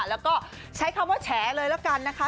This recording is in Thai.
แล้วก็ใช้คำว่าแฉเลยแล้วกันนะคะ